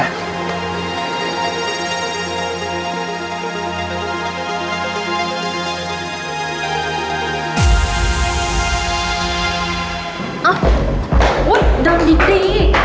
อ้าวเดินดี